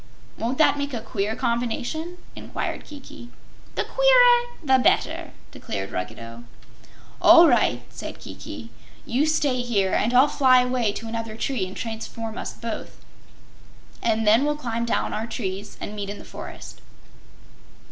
"Won't that make a queer combination?" inquired Kiki. "The queerer the better," declared Ruggedo. "All right," said Kiki. "You stay here, and I'll fly away to another tree and transform us both, and then we'll climb down our trees and meet in the forest."